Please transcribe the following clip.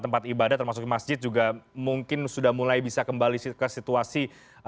tempat ibadah termasuk masjid juga mungkin sudah mulai bisa kembali ke situasi